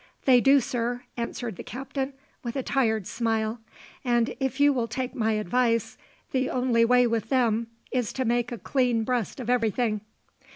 "They do, sir," answered the Captain, with a tired smile; "and if you will take my advice, the only way with them is to make a clean breast of everything."